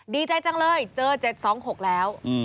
ดีใจจังเลยเจอ๗๒๖แล้ว